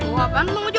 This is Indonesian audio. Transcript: wah kan angojo